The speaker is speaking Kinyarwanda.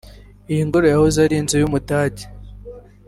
Iyi ngoro yahoze ari inzu y’Umudage